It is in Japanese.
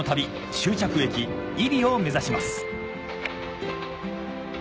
終着駅揖斐を目指します